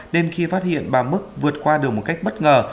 nên khi phát hiện bà mức vượt qua được một cách bất ngờ